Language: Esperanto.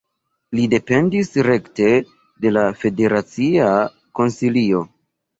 Li dependis rekte de la federacia Konsilio.